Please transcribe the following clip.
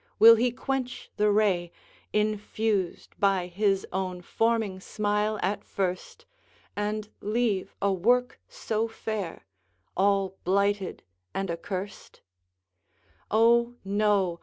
will he quench the ray Infused by his own forming smile at first, And leave a work so fair all blighted and accursed? VIII. Oh, no!